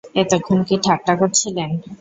এতক্ষণ কি ঠাট্টা করছিলেন?